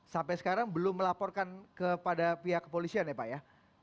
sampai sekarang belum melaporkan kepada pihak kepolisian ya pak ya